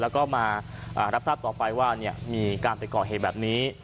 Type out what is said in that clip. แล้วก็มารับทราบต่อไปว่ามีการไปก่อเหตุแบบนี้